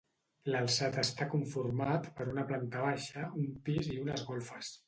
L'alçat està conformat per una planta baixa, un pis i unes golfes.